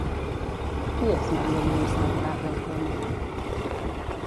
Qui és Maria Lluïsa Algarra i Coma?